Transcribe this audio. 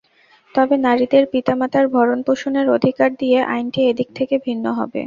তবে নারীদের পিতামাতার ভরণপোষণের অধিকার দিয়ে আইনটি এদিক থেকে ভিন্ন হবে।